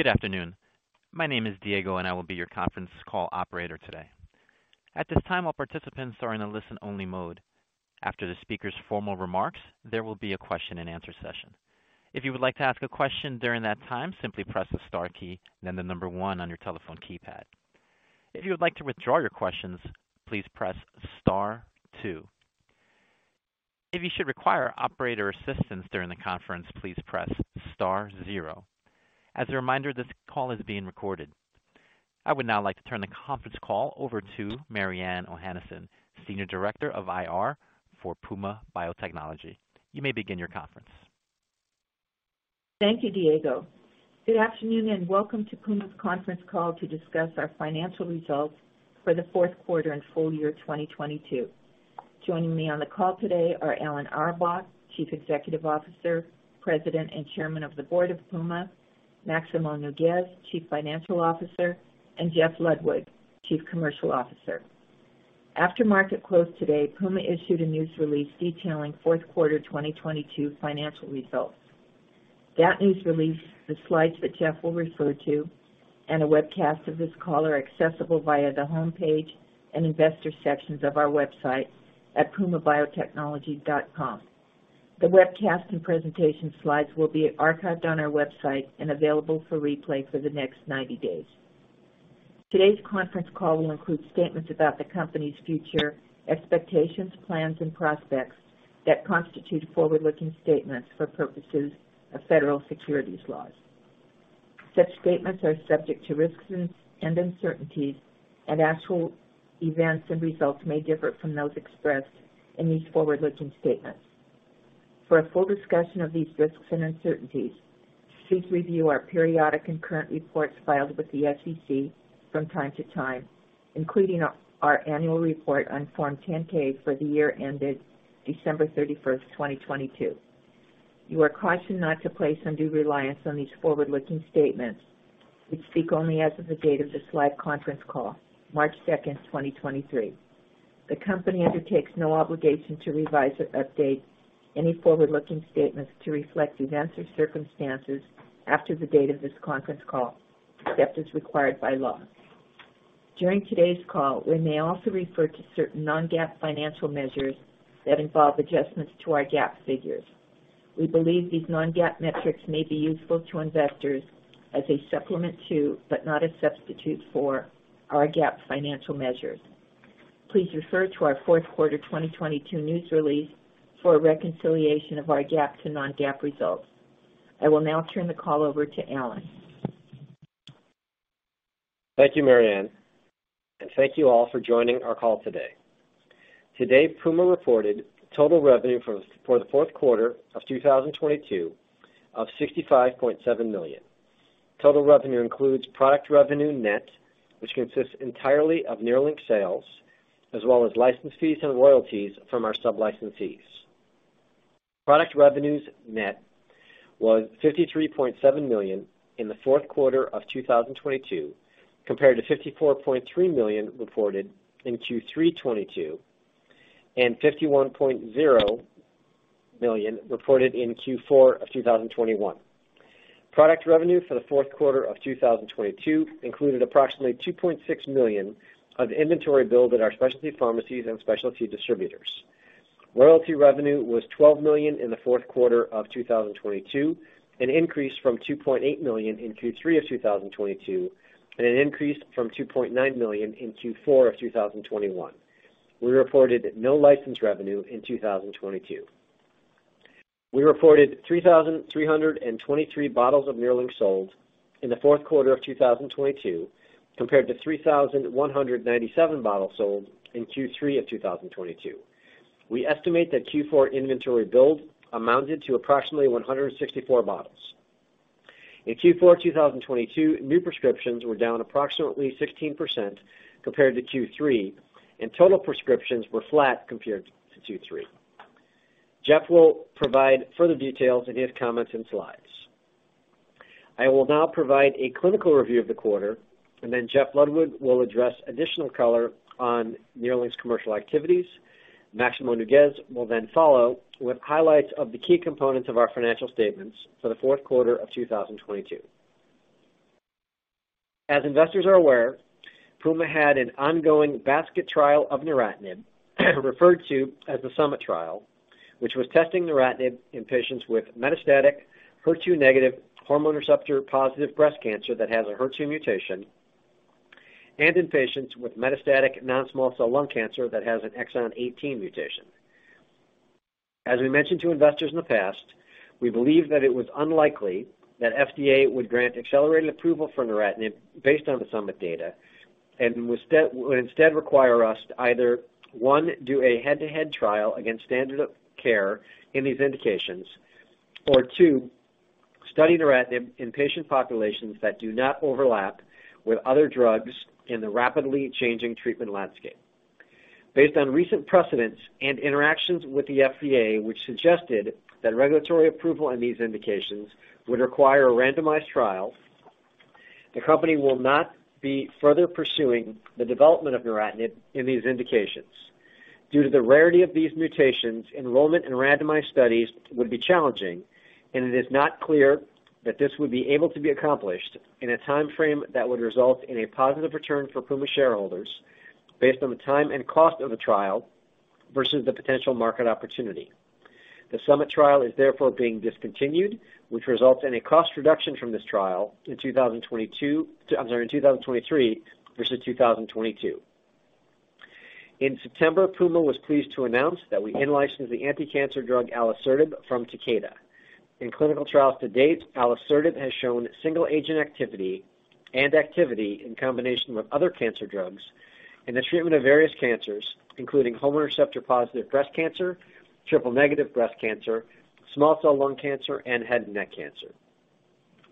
Good afternoon. My name is Diego, and I will be your conference call operator today. At this time, all participants are in a listen-only mode. After the speaker's formal remarks, there will be a question-and-answer-session. If you would like to ask a question during that time, simply press the star key, then the number one on your telephone keypad. If you would like to withdraw your questions, please press star two. If you should require operator assistance during the conference, please press star zero. As a reminder, this call is being recorded. I would now like to turn the conference call over to Mariann Ohanesian, Senior Director of IR for Puma Biotechnology. You may begin your conference. Thank you, Diego. Good afternoon, and welcome to Puma's conference call to discuss our financial results for the fourth quarter and full year 2022. Joining me on the call today are Alan Auerbach, Chief Executive Officer, President, and Chairman of the Board of Puma, Maximo Noguez, Chief Financial Officer, and Jeff Ludwig, Chief Commercial Officer. After market close today, Puma issued a news release detailing fourth quarter 2022 financial results. That news release, the slides that Jeff will refer to, and a webcast of this call are accessible via the homepage and investor sections of our website at pumabiotechnology.com. The webcast and presentation slides will be archived on our website and available for replay for the next 90 days. Today's conference call will include statements about the company's future expectations, plans, and prospects that constitute forward-looking statements for purposes of federal securities laws. Such statements are subject to risks and uncertainties, and actual events and results may differ from those expressed in these forward-looking statements. For a full discussion of these risks and uncertainties, please review our periodic and current reports filed with the SEC from time to time, including our annual report on Form 10-K for the year ended December 31st, 2022. You are cautioned not to place undue reliance on these forward-looking statements, which speak only as of the date of this live conference call, March 2nd, 2023. The company undertakes no obligation to revise or update any forward-looking statements to reflect events or circumstances after the date of this conference call, except as required by law. During today's call, we may also refer to certain non-GAAP financial measures that involve adjustments to our GAAP figures. We believe these non-GAAP metrics may be useful to investors as a supplement to, but not a substitute for, our GAAP financial measures. Please refer to our fourth quarter 2022 news release for a reconciliation of our GAAP to non-GAAP results. I will now turn the call over to Alan. Thank you, Mariann Ohanesian, and thank you all for joining our call today. Today, Puma reported total revenue for the fourth quarter of 2022 of $65.7 million. Total revenue includes product revenue net, which consists entirely of NERLYNX sales, as well as license fees and royalties from our sub-licensees. Product revenues net was $53.7 million in the fourth quarter of 2022 compared to $54.3 million reported in Q3 2022 and $51.0 million reported in Q4 of 2021. Product revenue for the fourth quarter of 2022 included approximately $2.6 million of inventory build at our specialty pharmacies and specialty distributors. Royalty revenue was $12 million in the fourth quarter of 2022, an increase from $2.8 million in Q3 of 2022, and an increase from $2.9 million in Q4 of 2021. We reported no license revenue in 2022. We reported 3,323 bottles of NERLYNX sold in the fourth quarter of 2022 compared to 3,197 bottles sold in Q3 of 2022. We estimate that Q4 inventory build amounted to approximately 164 bottles. In Q4 2022, new prescriptions were down approximately 16% compared to Q3, and total prescriptions were flat compared to Q3. Geoff will provide further details in his comments and slides. I will now provide a clinical review of the quarter, and then Jeff Ludwig will address additional color on NERLYNX's commercial activities. Maximo Noguez will then follow with highlights of the key components of our financial statements for the fourth quarter of 2022. As investors are aware, Puma had an ongoing basket trial of neratinib, referred to as the SUMMIT trial, which was testing neratinib in patients with metastatic HER2 negative hormone receptor-positive breast cancer that has a HER2 mutation and in patients with metastatic non-small cell lung cancer that has an exon 18 mutation. As we mentioned to investors in the past, we believe that it was unlikely that FDA would grant accelerated approval for neratinib based on the SUMMIT data and would instead require us to either, one, do a head-to-head trial against standard of care in these indications or two, study neratinib in patient populations that do not overlap with other drugs in the rapidly changing treatment landscape. Based on recent precedents and interactions with the FDA, which suggested that regulatory approval in these indications would require a randomized trial, the company will not be further pursuing the development of neratinib in these indications. Due to the rarity of these mutations, enrollment in randomized studies would be challenging, and it is not clear that this would be able to be accomplished in a time frame that would result in a positive return for Puma shareholders based on the time and cost of a trial versus the potential market opportunity. The SUMMIT trial is therefore being discontinued, which results in a cost reduction from this trial in 2023 versus 2022. In September, Puma was pleased to announce that we in-licensed the anticancer drug alisertib from Takeda. In clinical trials to date, alisertib has shown single agent activity and activity in combination with other cancer drugs in the treatment of various cancers, including hormone receptor-positive breast cancer, triple-negative breast cancer, small cell lung cancer, and head and neck cancer.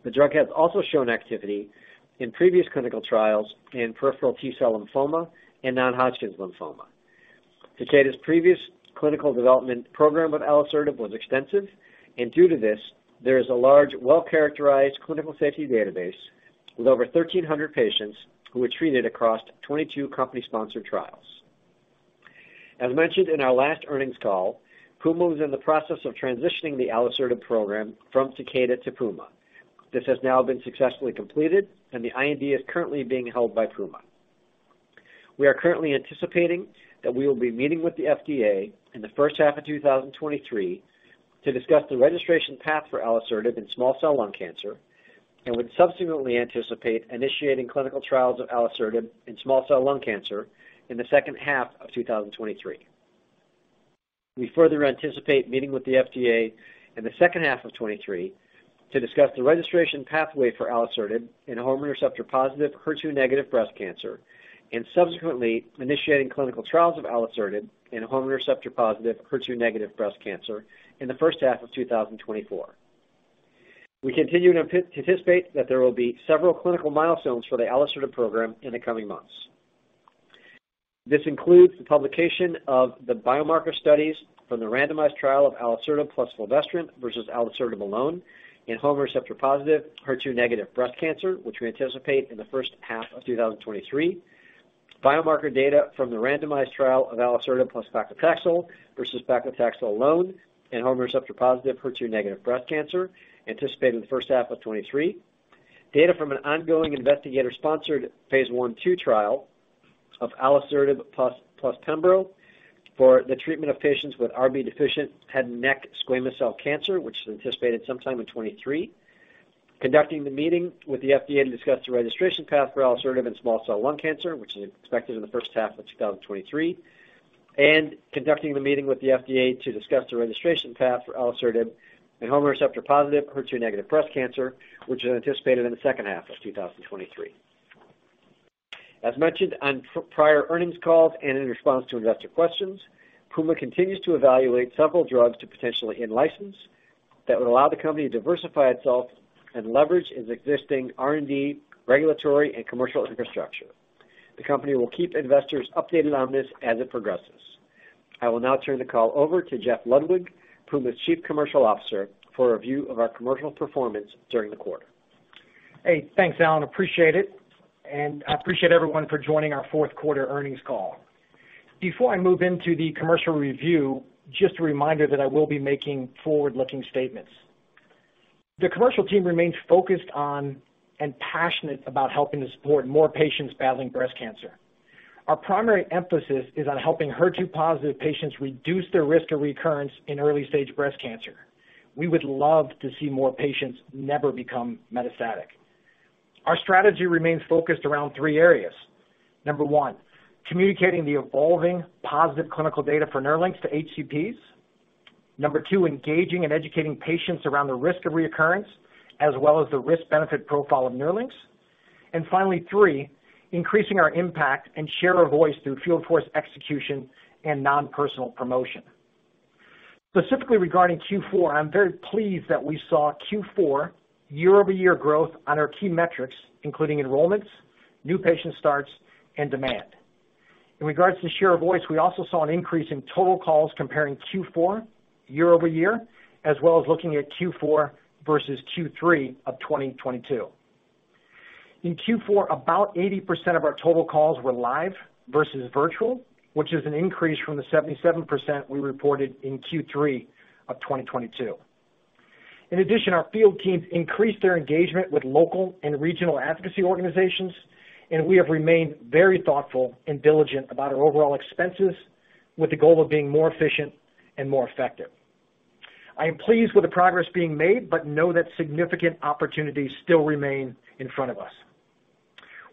The drug has also shown activity in previous clinical trials in peripheral T-cell lymphoma and non-Hodgkin lymphoma. Takeda's previous clinical development program of alisertib was extensive, and due to this, there is a large well-characterized clinical safety database with over 1,300 patients who were treated across 22 company-sponsored trials. As mentioned in our last earnings call, Puma was in the process of transitioning the alisertib program from Takeda to Puma. This has now been successfully completed, and the IND is currently being held by Puma. We are currently anticipating that we will be meeting with the FDA in the first half of 2023 to discuss the registration path for alisertib in small cell lung cancer and would subsequently anticipate initiating clinical trials of alisertib in small cell lung cancer in the second half of 2023. We further anticipate meeting with the FDA in the second half of 2023 to discuss the registration pathway for alisertib in hormone receptor-positive, HER2 negative breast cancer and subsequently initiating clinical trials of alisertib in hormone receptor-positive, HER2 negative breast cancer in the first half of 2024. We continue to anticipate that there will be several clinical milestones for the alisertib program in the coming months. This includes the publication of the biomarker studies from the randomized trial of alisertib plus fulvestrant versus alisertib alone in hormone receptor-positive, HER2 negative breast cancer, which we anticipate in the first half of 2023, biomarker data from the randomized trial of alisertib plus paclitaxel versus paclitaxel alone in hormone receptor-positive, HER2 negative breast cancer, anticipated in the first half of 2023, data from an ongoing investigator-sponsored phase I/II trial of alisertib plus pembro for the treatment of patients with Rb-deficient head and neck squamous cell cancer, which is anticipated sometime in 2023, conducting the meeting with the FDA to discuss the registration path for alisertib in small cell lung cancer, which is expected in the first half of 2023, and conducting the meeting with the FDA to discuss the registration path for alisertib in hormone receptor-positive, HER2 negative breast cancer, which is anticipated in the second half of 2023. As mentioned on prior earnings calls and in response to investor questions, Puma continues to evaluate several drugs to potentially in-license that would allow the company to diversify itself and leverage its existing R&D, regulatory, and commercial infrastructure. The company will keep investors updated on this as it progresses. I will now turn the call over to Jeff Ludwig, Puma's Chief Commercial Officer, for a review of our commercial performance during the quarter. Hey, thanks, Alan. Appreciate it. I appreciate everyone for joining our fourth quarter earnings call. Before I move into the commercial review, just a reminder that I will be making forward-looking statements. The commercial team remains focused on and passionate about helping to support more patients battling breast cancer. Our primary emphasis is on helping HER2-positive patients reduce their risk of recurrence in early-stage breast cancer. We would love to see more patients never become metastatic. Our strategy remains focused around three areas. Number one, communicating the evolving positive clinical data for NERLYNX to HCPs. Number two, engaging and educating patients around the risk of recurrence, as well as the risk-benefit profile of NERLYNX. Finally, three, increasing our impact and share of voice through field force execution and non-personal promotion. Specifically regarding Q4, I'm very pleased that we saw Q4 year-over-year growth on our key metrics, including enrollments, new patient starts, and demand. In regards to share of voice, we also saw an increase in total calls comparing Q4 year-over-year, as well as looking at Q4 versus Q3 of 2022. In Q4, about 80% of our total calls were live versus virtual, which is an increase from the 77% we reported in Q3 of 2022. Our field teams increased their engagement with local and regional advocacy organizations, and we have remained very thoughtful and diligent about our overall expenses with the goal of being more efficient and more effective. I am pleased with the progress being made, but know that significant opportunities still remain in front of us.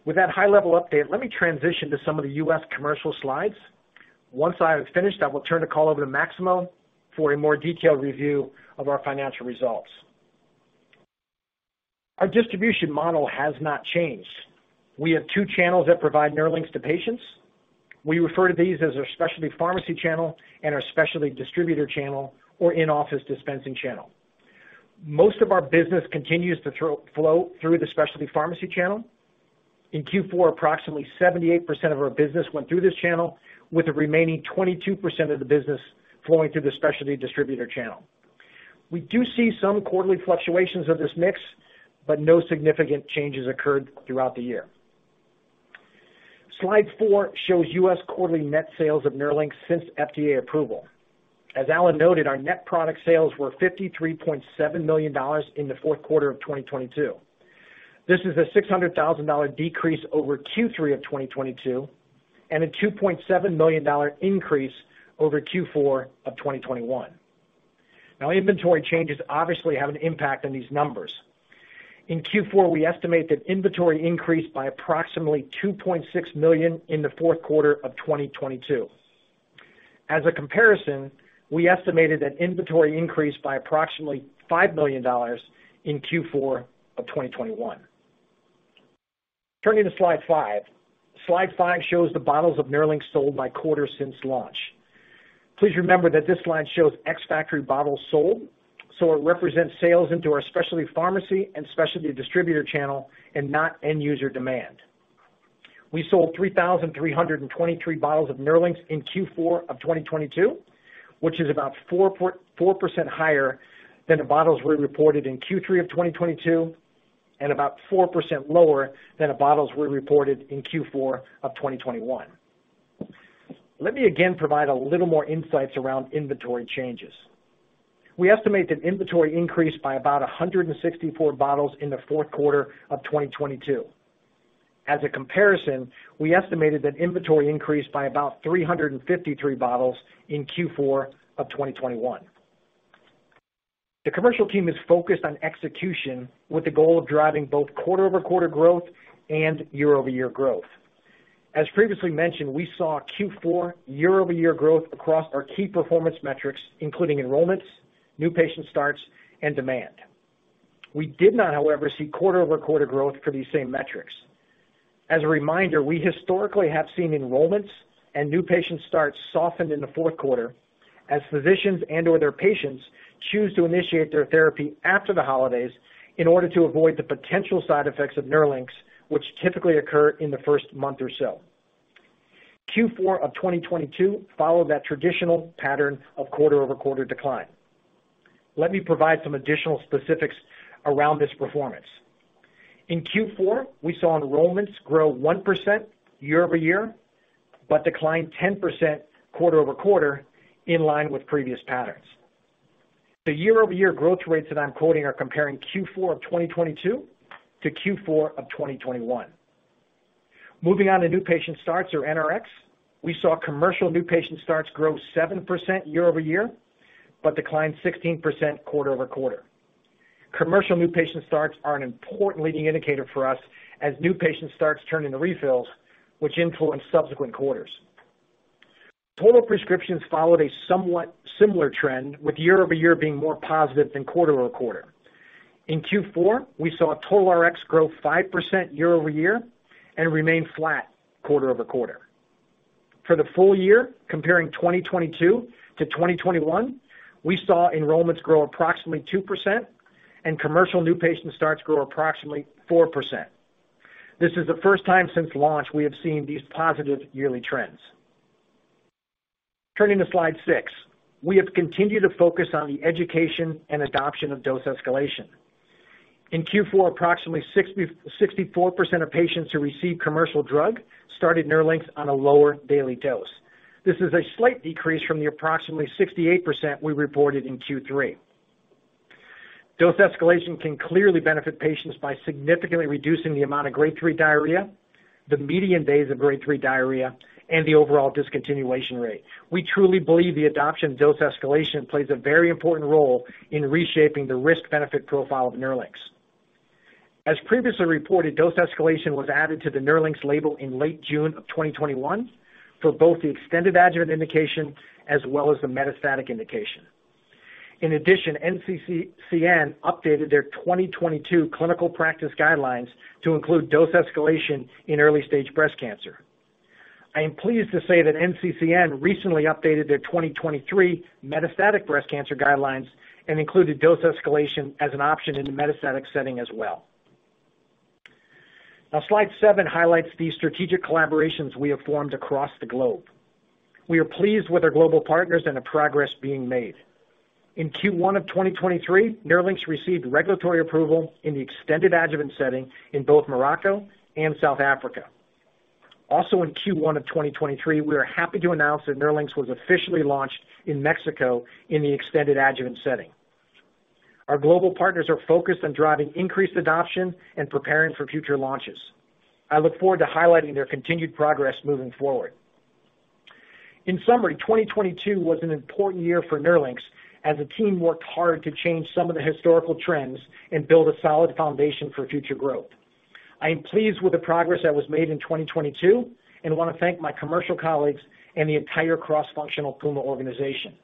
With that high-level update, let me transition to some of the U.S. commercial slides. Once I have finished, I will turn the call over to Maximo for a more detailed review of our financial results. Our distribution model has not changed. We have two channels that provide NERLYNX to patients. We refer to these as our specialty pharmacy channel and our specialty distributor channel or in-office dispensing channel. Most of our business continues to flow through the specialty pharmacy channel. In Q4, approximately 78% of our business went through this channel, with the remaining 22% of the business flowing through the specialty distributor channel. We do see some quarterly fluctuations of this mix, but no significant changes occurred throughout the year. Slide four shows U.S. quarterly net sales of NERLYNX since FDA approval. As Alan noted, our net product sales were $53.7 million in the fourth quarter of 2022. This is a $600,000 decrease over Q3 of 2022 and a $2.7 million increase over Q4 of 2021. Inventory changes obviously have an impact on these numbers. In Q4, we estimate that inventory increased by approximately $2.6 million in the fourth quarter of 2022. As a comparison, we estimated that inventory increased by approximately $5 million in Q4 of 2021. Turning to slide 5. Slide 5 shows the bottles of NERLYNX sold by quarter since launch. Please remember that this slide shows ex-factory bottles sold, so it represents sales into our specialty pharmacy and specialty distributor channel and not end user demand. We sold 3,323 bottles of NERLYNX in Q4 of 2022, which is about 4.4% higher than the bottles we reported in Q3 of 2022 and about 4% lower than the bottles we reported in Q4 of 2021. Let me again provide a little more insights around inventory changes. We estimate that inventory increased by about 164 bottles in the fourth quarter of 2022. As a comparison, we estimated that inventory increased by about 353 bottles in Q4 of 2021. The commercial team is focused on execution with the goal of driving both quarter-over-quarter growth and year-over-year growth. As previously mentioned, we saw Q4 year-over-year growth across our key performance metrics, including enrollments, new patient starts and demand. We did not, however, see quarter-over-quarter growth for these same metrics. As a reminder, we historically have seen enrollments and new patient starts softened in the fourth quarter as physicians and/or their patients choose to initiate their therapy after the holidays in order to avoid the potential side effects of NERLYNX, which typically occur in the first month or so. Q4 of 2022 followed that traditional pattern of quarter-over-quarter decline. Let me provide some additional specifics around this performance. In Q4, we saw enrollments grow 1% year-over-year, but decline 10% quarter-over-quarter in line with previous patterns. The year-over-year growth rates that I'm quoting are comparing Q4 of 2022 to Q4 of 2021. Moving on to new patient starts or NRX, we saw commercial new patient starts grow 7% year-over-year, but decline 16% quarter-over-quarter. Commercial new patient starts are an important leading indicator for us as new patient starts turn into refills which influence subsequent quarters. Total prescriptions followed a somewhat similar trend, with year-over-year being more positive than quarter-over-quarter. In Q4, we saw total RX grow 5% year-over-year and remain flat quarter-over-quarter. For the full year, comparing 2022-2021, we saw enrollments grow approximately 2% and commercial new patient starts grow approximately 4%. This is the first time since launch we have seen these positive yearly trends. Turning to slide six. We have continued to focus on the education and adoption of dose escalation. In Q4, approximately 60-64% of patients who received commercial drug started NERLYNX on a lower daily dose. This is a slight decrease from the approximately 68% we reported in Q3. Dose escalation can clearly benefit patients by significantly reducing the amount of grade three diarrhea, the median days of grade three diarrhea, and the overall discontinuation rate. We truly believe the adoption of dose escalation plays a very important role in reshaping the risk-benefit profile of NERLYNX. As previously reported, dose escalation was added to the NERLYNX label in late June of 2021 for both the extended adjuvant indication as well as the metastatic indication. In addition, NCCN updated their 2022 clinical practice guidelines to include dose escalation in early stage breast cancer. I am pleased to say that NCCN recently updated their 2023 metastatic breast cancer guidelines and included dose escalation as an option in the metastatic setting as well. Now, slide seven highlights the strategic collaborations we have formed across the globe. We are pleased with our global partners and the progress being made. In Q1 of 2023, NERLYNX received regulatory approval in the extended adjuvant setting in both Morocco and South Africa. In Q1 of 2023, we are happy to announce that NERLYNX was officially launched in Mexico in the extended adjuvant setting. Our global partners are focused on driving increased adoption and preparing for future launches. I look forward to highlighting their continued progress moving forward. In summary, 2022 was an important year for NERLYNX as the team worked hard to change some of the historical trends and build a solid foundation for future growth. I am pleased with the progress that was made in 2022 and want to thank my commercial colleagues and the entire cross-functional Puma organization.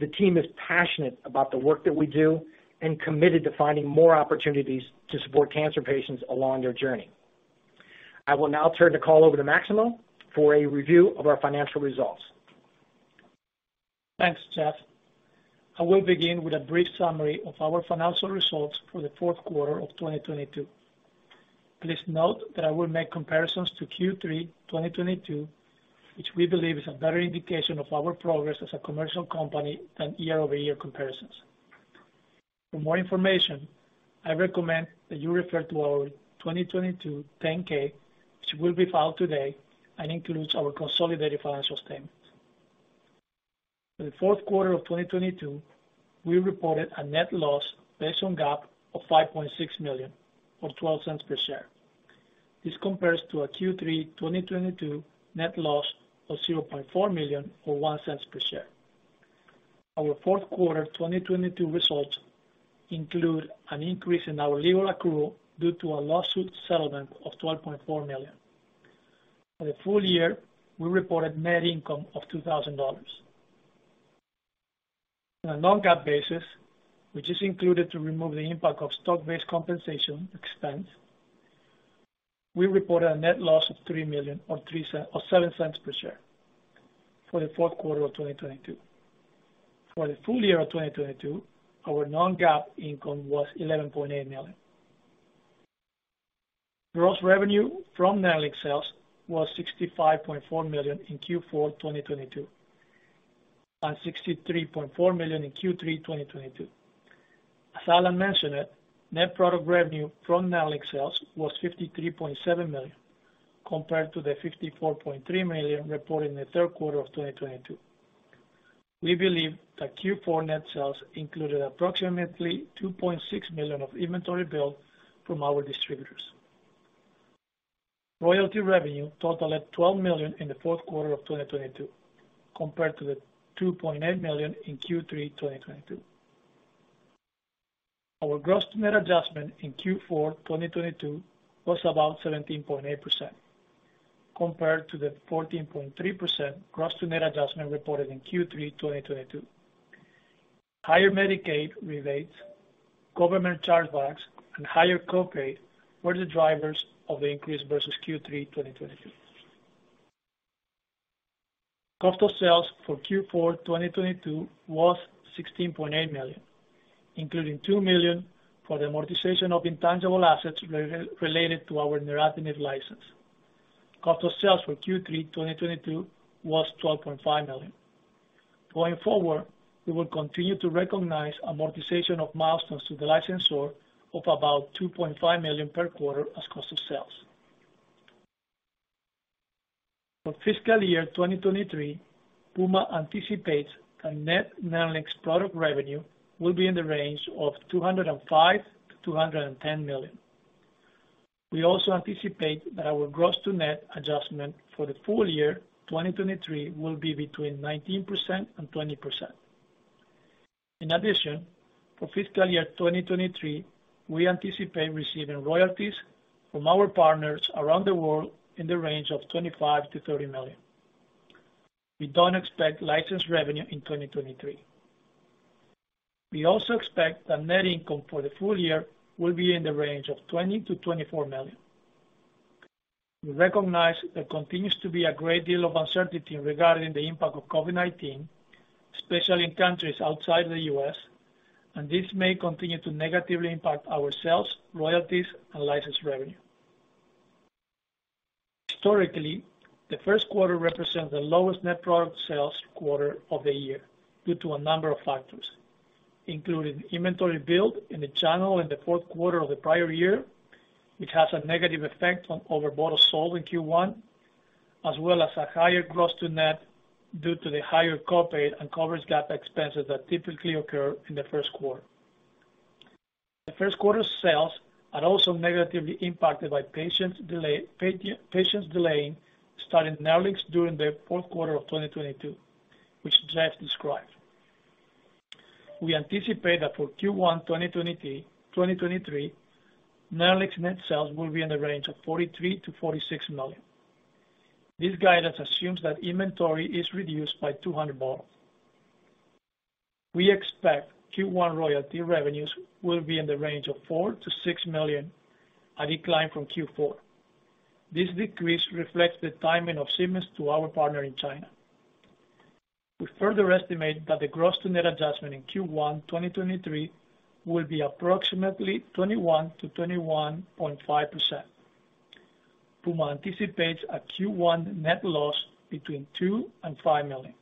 The team is passionate about the work that we do and committed to finding more opportunities to support cancer patients along their journey. I will now turn the call over to Maximo for a review of our financial results. Thanks, Jeff. I will begin with a brief summary of our financial results for the fourth quarter of 2022. Please note that I will make comparisons to Q3 2022, which we believe is a better indication of our progress as a commercial company than year-over-year comparisons. For more information, I recommend that you refer to our 2022 10-K, which will be filed today and includes our consolidated financial statements. For the fourth quarter of 2022, we reported a net loss based on GAAP of $5.6 million or $0.12 per share. This compares to a Q3 2022 net loss of $0.4 million or $0.01 per share. Our fourth quarter 2022 results include an increase in our legal accrual due to a lawsuit settlement of $12.4 million. For the full year, we reported net income of $2,000. non-GAAP basis, which is included to remove the impact of stock-based compensation expense, we reported a net loss of $3 million or $0.07 per share for the Q4 of 2022. For the full year of 2022, our non-GAAP income was $11.8 million. Gross revenue from NERLYNX sales was $65.4 million in Q4 2022, and $63.4 million in Q3 2022. As Alan Auerbach mentioned it, net product revenue from NERLYNX sales was $53.7 million compared to the $54.3 million reported in the Q3 of 2022. We believe that Q4 net sales included approximately $2.6 million of inventory build from our distributors. Royalty revenue totaled $12 million in the Q4 of 2022, compared to the $2.8 million in Q3 2022. Our gross to net adjustment in Q4 2022 was about 17.8% compared to the 14.3% gross to net adjustment reported in Q3 2022. Higher Medicaid rebates, government chargebacks, and higher co-pays were the drivers of the increase versus Q3 2022. Cost of sales for Q4 2022 was $16.8 million, including $2 million for the amortization of intangible assets related to our neratinib license. Cost of sales for Q3 2022 was $12.5 million. Going forward, we will continue to recognize amortization of milestones to the licensor of about $2.5 million per quarter as cost of sales. For fiscal year 2023, Puma anticipates that net NERLYNX product revenue will be in the range of $205 million-$210 million. We also anticipate that our gross to net adjustment for the full year 2023 will be between 19% and 20%. In addition, for fiscal year 2023, we anticipate receiving royalties from our partners around the world in the range of $25 million-$30 million. We don't expect license revenue in 2023. We also expect that net income for the full year will be in the range of $20 million-$20 million. We recognize there continues to be a great deal of uncertainty regarding the impact of COVID-19, especially in countries outside the U.S. This may continue to negatively impact our sales, royalties, and license revenue. Historically, the first quarter represents the lowest net product sales quarter of the year due to a number of factors, including inventory build in the channel in the fourth quarter of the prior year, which has a negative effect on over bottles sold in Q1, as well as a higher gross to net due to the higher co-pay and coverage gap expenses that typically occur in the first quarter. The first quarter sales are also negatively impacted by patients delaying starting NERLYNX during the fourth quarter of 2022, which Jeff described. We anticipate that for Q1 2023, NERLYNX net sales will be in the range of $43 million-$46 million. This guidance assumes that inventory is reduced by 200 bottles. We expect Q1 royalty revenues will be in the range of $4 million-$6 million, a decline from Q4. This decrease reflects the timing of shipments to our partner in China. We further estimate that the gross to net adjustment in Q1 2023 will be approximately 21%-21.5%. Puma anticipates a Q1 net loss between $2 million and $5 million.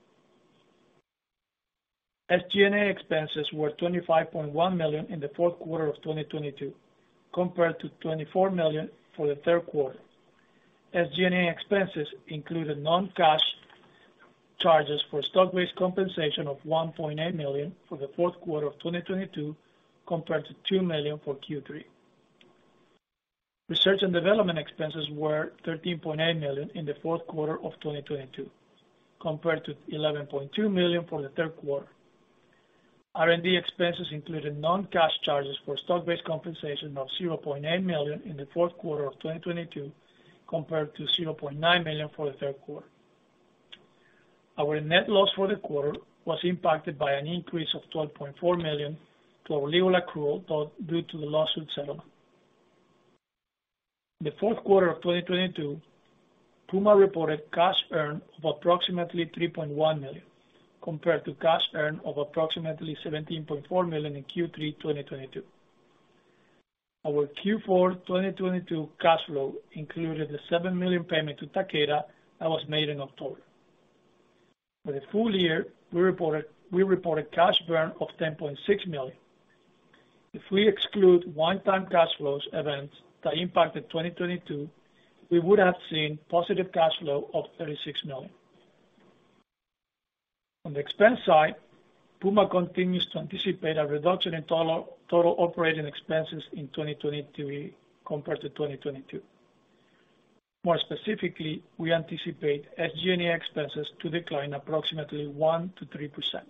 SG&A expenses were $25.1 million in the fourth quarter of 2022, compared to $24 million for the third quarter. SG&A expenses included non-cash charges for stock-based compensation of $1.8 million for the fourth quarter of 2022, compared to $2 million for Q3. Research and development expenses were $13.8 million in the fourth quarter of 2022, compared to $11.2 million for the third quarter. R&D expenses included non-cash charges for stock-based compensation of $0.8 million in the fourth quarter of 2022, compared to $0.9 million for the third quarter. Our net loss for the quarter was impacted by an increase of $12.4 million to our legal accrual due to the lawsuit settlement. The fourth quarter of 2022 Puma reported cash earned of approximately $3.1 million, compared to cash earned of approximately $17.4 million in Q3 2022. Our Q4 2022 cash flow included the $7 million payment to Takeda that was made in October. For the full year, we reported cash burn of $10.6 million. If we exclude one-time cash flows events that impacted 2022, we would have seen positive cash flow of $36 million. On the expense side, Puma continues to anticipate a reduction in total operating expenses in 2023 compared to 2022. More specifically, we anticipate SG&A expenses to decline approximately 1%-3%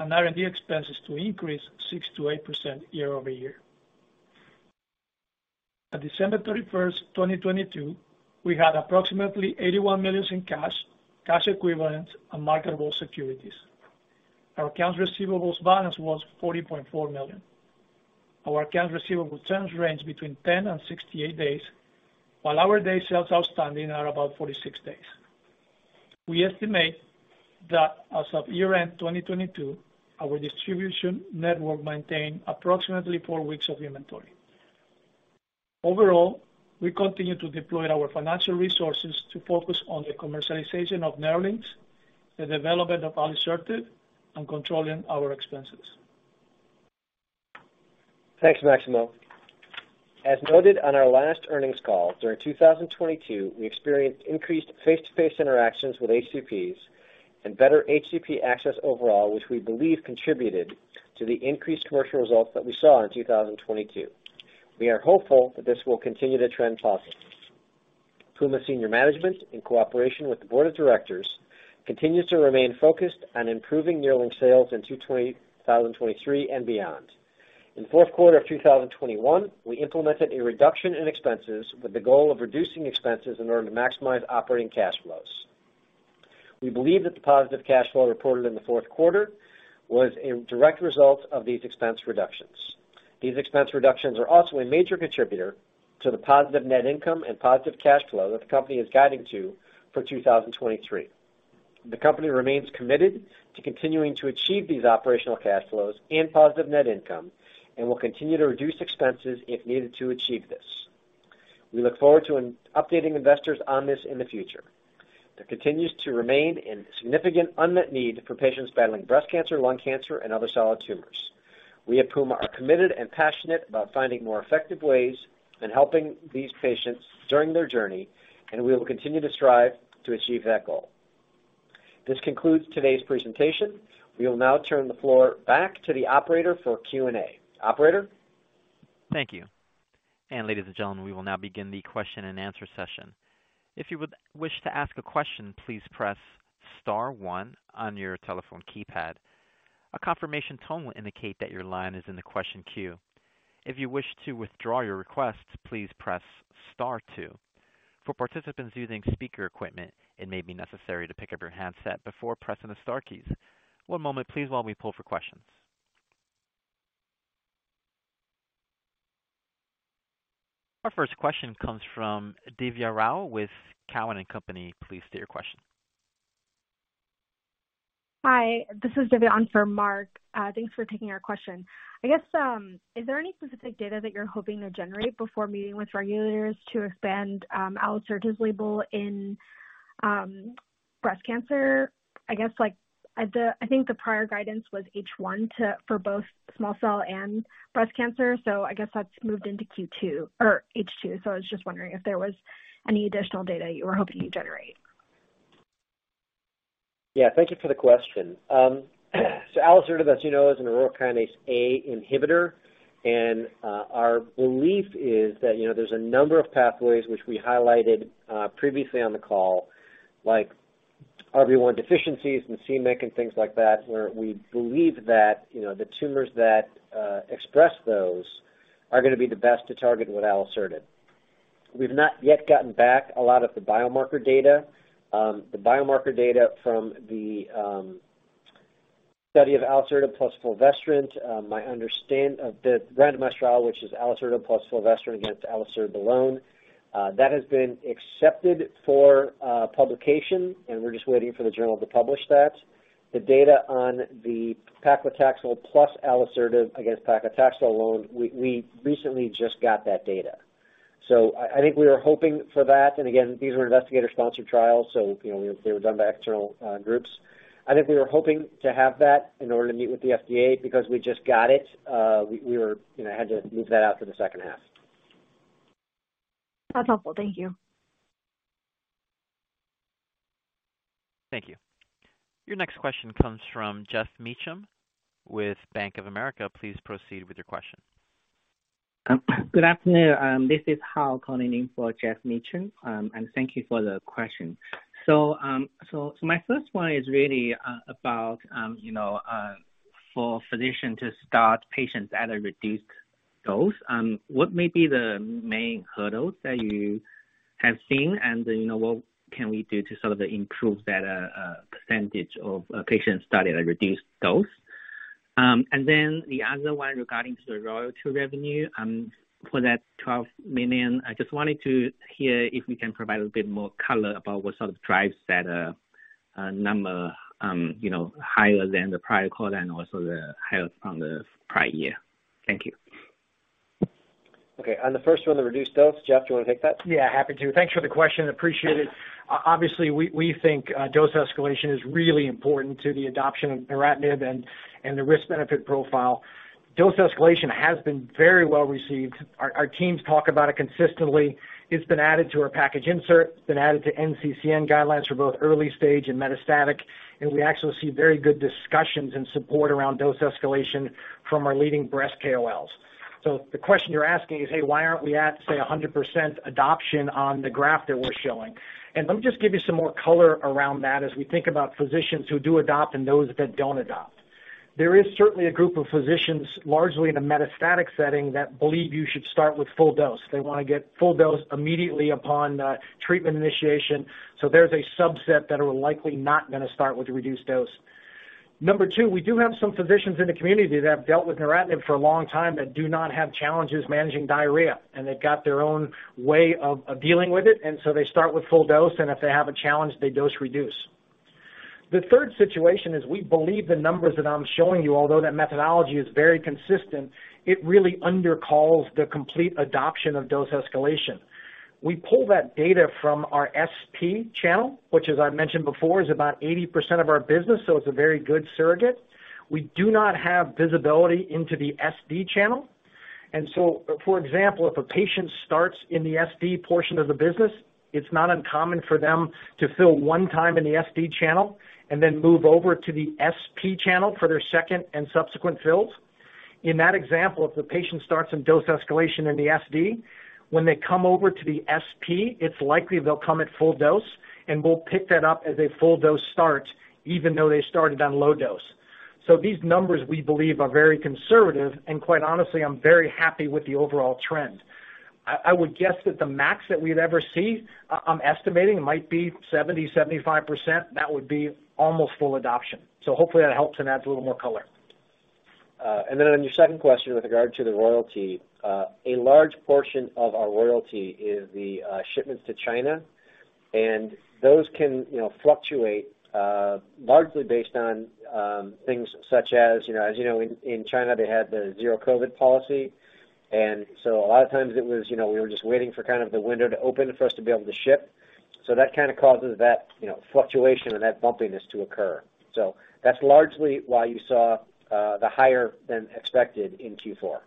and R&D expenses to increase 6%-8% year-over-year. At December 31, 2022, we had approximately $81 million in cash equivalents and marketable securities. Our accounts receivables balance was $40.4 million. Our accounts receivable terms range between 10 and 68 days, while our day sales outstanding are about 46 days. We estimate that as of year-end 2022, our distribution network maintained approximately four weeks of inventory. Overall, we continue to deploy our financial resources to focus on the commercialization of NERLYNX, the development of alisertib, and controlling our expenses. Thanks, Maximo. As noted on our last earnings call, during 2022, we experienced increased face-to-face interactions with HCPs and better HCP access overall, which we believe contributed to the increased commercial results that we saw in 2022. We are hopeful that this will continue to trend positive. Puma senior management, in cooperation with the board of directors, continues to remain focused on improving NERLYNX sales in 2023 and beyond. In fourth quarter of 2021, we implemented a reduction in expenses with the goal of reducing expenses in order to maximize operating cash flows. We believe that the positive cash flow reported in the fourth quarter was a direct result of these expense reductions. These expense reductions are also a major contributor to the positive net income and positive cash flow that the company is guiding to for 2023. The company remains committed to continuing to achieve these operational cash flows and positive net income and will continue to reduce expenses if needed to achieve this. We look forward to updating investors on this in the future. There continues to remain in significant unmet need for patients battling breast cancer, lung cancer, and other solid tumors. We at Puma are committed and passionate about finding more effective ways in helping these patients during their journey. We will continue to strive to achieve that goal. This concludes today's presentation. We will now turn the floor back to the operator for Q&A. Operator? Thank you. Ladies and gentlemen, we will now begin the question-and-answer session. If you would wish to ask a question, please press star one on your telephone keypad. A confirmation tone will indicate that your line is in the question queue. If you wish to withdraw your request, please press star two. For participants using speaker equipment, it may be necessary to pick up your handset before pressing the star keys. One moment please while we pull for questions. Our first question comes from Divya Rao with Cowen and Company. Please state your question. Hi, this is Divya on for Mark. Thanks for taking our question. I guess, is there any specific data that you're hoping to generate before meeting with regulators to expand alisertib's label in breast cancer? I think the prior guidance was H1 for both small cell and breast cancer, so I guess that's moved into Q2 or H2. I was just wondering if there was any additional data you were hoping to generate? Yeah. Thank you for the question. alisertib, as you know, is an Aurora kinase A inhibitor. Our belief is that, you know, there's a number of pathways which we highlighted previously on the call, like RB1 deficiencies, MSK and things like that, where we believe that, you know, the tumors that express those are gonna be the best to target with alisertib. We've not yet gotten back a lot of the biomarker data. The biomarker data from the study of alisertib plus fulvestrant, my understand of the randomized trial, which is alisertib plus fulvestrant against alisertib alone, that has been accepted for publication, and we're just waiting for the journal to publish that. The data on the paclitaxel plus alisertib against paclitaxel alone, we recently just got that data. I think we were hoping for that. Again, these were investigator-sponsored trials, so you know, they were done by external, groups. I think we were hoping to have that in order to meet with the FDA. We just got it, we were, you know, had to move that out to the second half. That's helpful. Thank you. Thank you. Your next question comes from Geoff Meacham with Bank of America. Please proceed with your question. Good afternoon. This is Hao Li calling in for Geoff Meacham. Thank you for the question. My first one is really about, you know, for physician to start patients at a reduced dose. What may be the main hurdles that you have seen? You know, what can we do to sort of improve that percentage of patients starting at reduced dose? The other one regarding to the royalty revenue, for that $12 million, I just wanted to hear if we can provide a bit more color about what sort of drives that number, you know, higher than the prior quarter and also the higher from the prior year. Thank you. Okay. On the first one, the reduced dose. Jeff, do you want to take that? Yeah, happy to. Thanks for the question, appreciate it. Obviously, we think dose escalation is really important to the adoption of neratinib and the risk-benefit profile. Dose escalation has been very well received. Our teams talk about it consistently. It's been added to our package insert. It's been added to NCCN guidelines for both early stage and metastatic, and we actually see very good discussions and support around dose escalation from our leading breast KOLs. The question you're asking is, hey, why aren't we at, say, 100% adoption on the graph that we're showing? Let me just give you some more color around that as we think about physicians who do adopt and those that don't adopt. There is certainly a group of physicians, largely in a metastatic setting, that believe you should start with full dose. They wanna get full dose immediately upon treatment initiation. There's a subset that are likely not gonna start with a reduced dose. Number two, we do have some physicians in the community that have dealt with neratinib for a long time that do not have challenges managing diarrhea, and they've got their own way of dealing with it, they start with full dose, if they have a challenge, they dose reduce. The third situation is we believe the numbers that I'm showing you, although that methodology is very consistent, it really undercalls the complete adoption of dose escalation. We pull that data from our SP channel, which as I mentioned before, is about 80% of our business, it's a very good surrogate. We do not have visibility into the SD channel. For example, if a patient starts in the SD portion of the business, it's not uncommon for them to fill 1 time in the SD channel and then move over to the SP channel for their second and subsequent fills. In that example, if the patient starts in dose escalation in the SD, when they come over to the SP, it's likely they'll come at full dose, and we'll pick that up as a full dose start, even though they started on low dose. These numbers we believe are very conservative, and quite honestly, I'm very happy with the overall trend. I would guess that the max that we'd ever see, I'm estimating might be 70%-75%. That would be almost full adoption. Hopefully that helps and adds a little more color. On your second question with regard to the royalty, a large portion of our royalty is the shipments to China. Those can, you know, fluctuate, largely based on things such as, you know, as you know, in China, they had the zero COVID policy. A lot of times it was, you know, we were just waiting for kind of the window to open for us to be able to ship. That kind of causes that, you know, fluctuation and that bumpiness to occur. That's largely why you saw the higher than expected in Q4.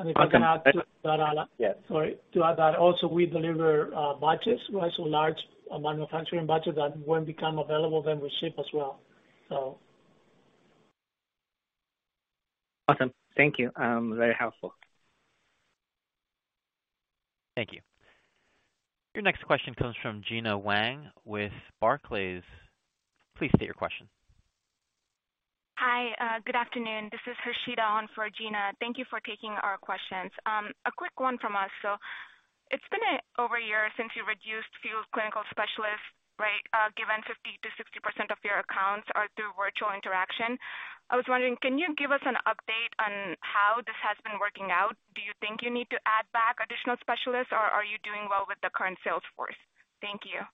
if I can add to that, Alan. Yes. Sorry. To add that also, we deliver batches, right? Large manufacturing batches that when become available, then we ship as well, so. Awesome. Thank you. Very helpful. Thank you. Your next question comes from Gena Wang with Barclays. Please state your question. Hi. good afternoon. This is Harshita on for Gena. Thank you for taking our questions. A quick one from us. It's been over a year since you reduced few clinical specialists, right? Given 50%-60% of your accounts are through virtual interaction. I was wondering, can you give us an update on how this has been working out? Do you think you need to add back additional specialists, or are you doing well with the current sales force? Thank you.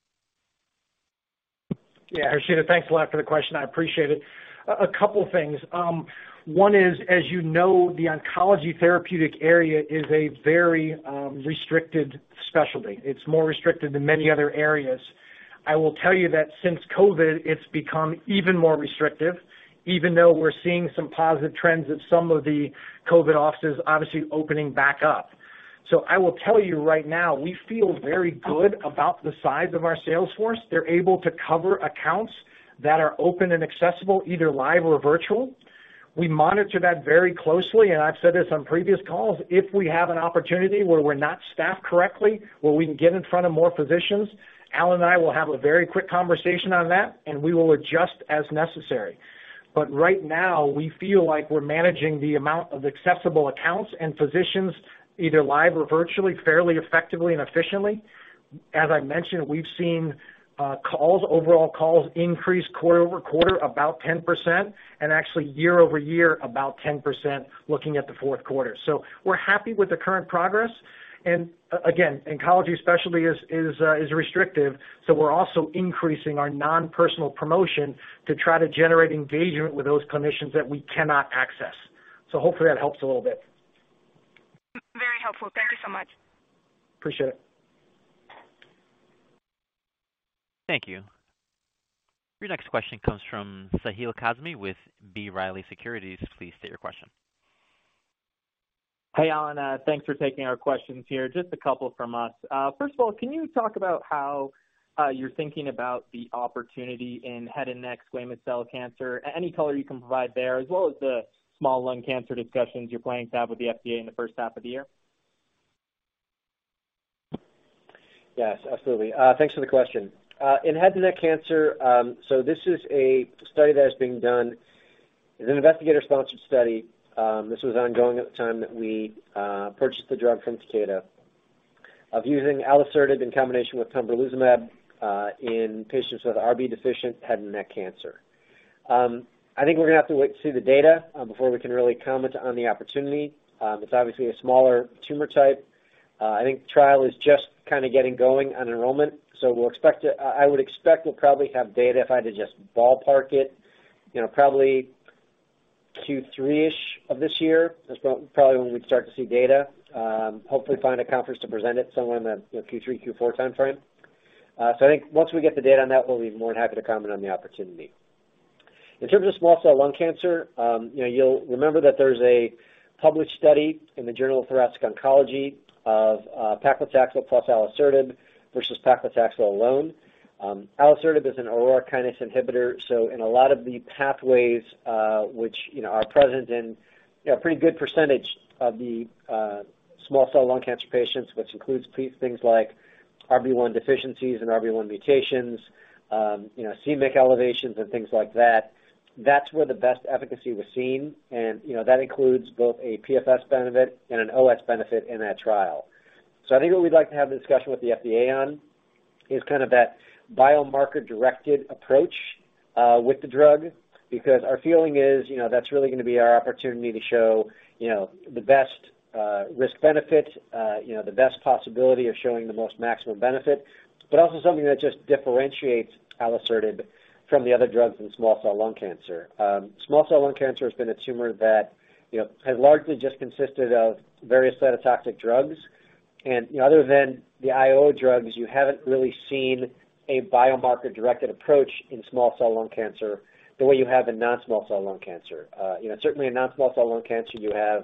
Yeah. Harshita, thanks a lot for the question, I appreciate it. A couple things. One is, as you know, the oncology therapeutic area is a very restricted specialty. It's more restricted than many other areas. I will tell you that since COVID, it's become even more restrictive, even though we're seeing some positive trends of some of the COVID offices obviously opening back up. I will tell you right now, we feel very good about the size of our sales force. They're able to cover accounts that are open and accessible, either live or virtual. We monitor that very closely, and I've said this on previous calls, if we have an opportunity where we're not staffed correctly, where we can get in front of more physicians, Alan and I will have a very quick conversation on that, and we will adjust as necessary. Right now, we feel like we're managing the amount of accessible accounts and physicians, either live or virtually, fairly effectively and efficiently. As I mentioned, we've seen calls, overall calls increase quarter-over-quarter about 10% and actually year-over-year about 10% looking at the fourth quarter. We're happy with the current progress. Again, oncology specialty is restrictive, so we're also increasing our non-personal promotion to try to generate engagement with those clinicians that we cannot access. Hopefully that helps a little bit. Very helpful. Thank you so much. Appreciate it. Thank you. Your next question comes from Sahil Kazmi with B Riley Securities. Please state your question. Hey, Alan. Thanks for taking our questions here. Just a couple from us. First of all, can you talk about how you're thinking about the opportunity in head and neck squamous cell cancer? Any color you can provide there, as well as the small lung cancer discussions you're planning to have with the FDA in the first half of the year. Yes, absolutely. Thanks for the question. In head and neck cancer, this is a study that is being done as an investigator-sponsored study. This was ongoing at the time that we purchased the drug from Takeda. Of using alisertib in combination with pembrolizumab in patients with Rb-deficient head and neck cancer. I think we're gonna have to wait to see the data before we can really comment on the opportunity. It's obviously a smaller tumor type. I think trial is just kinda getting going on enrollment. I would expect we'll probably have data, if I had to just ballpark it, you know, probably Q3-ish of this year. That's when, probably when we'd start to see data. Hopefully find a conference to present it somewhere in the, you know, Q3, Q4 timeframe. I think once we get the data on that, we'll be more than happy to comment on the opportunity. In terms of small cell lung cancer, you know, you'll remember that there's a published study in the Journal of Thoracic Oncology of Paclitaxel plus alisertib versus Paclitaxel alone. alisertib is an Aurora kinase A inhibitor, so in a lot of the pathways, which, you know, are present in, you know, a pretty good percentage of the small cell lung cancer patients, which includes pre-things like RB1 deficiencies and RB1 mutations, you know, c-Myc elevations and things like that. That's where the best efficacy was seen and, you know, that includes both a PFS benefit and an OS benefit in that trial. I think what we'd like to have the discussion with the FDA on is kind of that biomarker-directed approach with the drug, because our feeling is, you know, that's really gonna be our opportunity to show, you know, the best risk-benefit, you know, the best possibility of showing the most maximum benefit, but also something that just differentiates Alectinib from the other drugs in small cell lung cancer. small cell lung cancer has been a tumor that, you know, has largely just consisted of various cytotoxic drugs. you know, other than the IO drugs, you haven't really seen a biomarker-directed approach in small cell lung cancer the way you have in non-small cell lung cancer. you know, certainly in non-small cell lung cancer you have,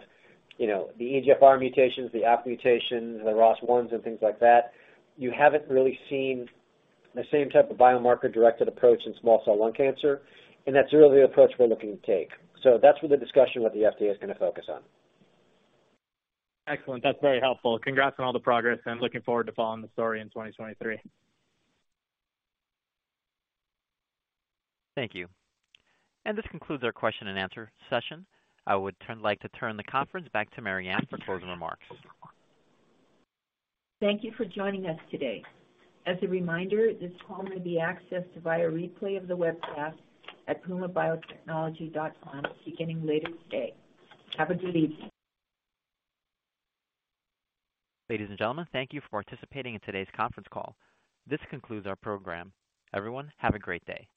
you know, the EGFR mutations, the ALK mutations, the ROS1s and things like that. You haven't really seen the same type of biomarker-directed approach in small cell lung cancer, and that's really the approach we're looking to take. That's where the discussion with the FDA is gonna focus on. Excellent. That's very helpful. Congrats on all the progress and looking forward to following the story in 2023. Thank you. This concludes our question and answer session. I would turn, like to turn the conference back to Mariann Ohanesian for closing remarks. Thank you for joining us today. As a reminder, this call may be accessed via replay of the webcast at pumabiotechnology.com beginning later today. Have a good evening. Ladies and gentlemen, thank you for participating in today's conference call. This concludes our program. Everyone, have a great day. You may disconnect.